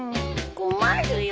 困るよ！